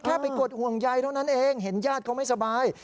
แค่ไปกดห่วงใยเท่านั้นเองเห็นญาติเขาไม่สบาย